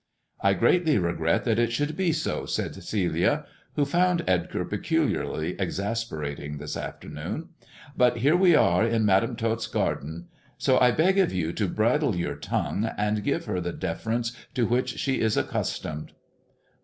" I greatly regret that it should be so," said Celia, who found Edgar peculiarly exasperating this afternoon ;" but here we are in Madam Tot's garden, so I beg of you to bridle your tongue and give her the deference to which she is accustomed."